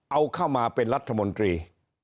เอาเข้ามาเป็นรัฐมนตรี